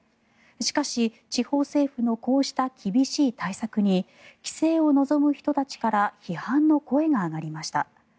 しかし、地方政府のこうした厳しい対策に帰省を望む人たちから批判の声が上がりました。